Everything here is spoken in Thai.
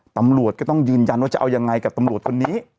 ตำรวจก็ต้องยืนยันว่าจะเอายังไงกับตำรวจคนนี้